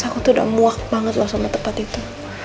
aku tuh udah muak banget loh sama tempat itu